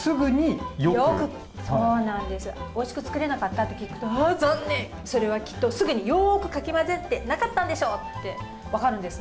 おいしく作れなかったと聞くと残念、それはきっとよくかき混ぜてなかったんでしょと分かるんです。